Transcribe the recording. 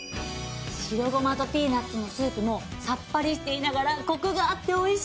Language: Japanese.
白ごまとピーナツのスープもさっぱりしていながらコクがあっておいしいの。